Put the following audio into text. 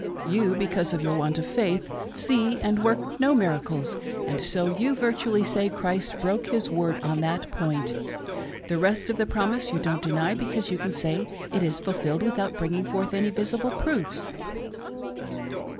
You, because of your want of faith, see and work no miracles, and so you virtually say Christ broke His word on that point. The rest of the promise you don't deny, because you can say it is ful filled without bringing forth any visible proofs.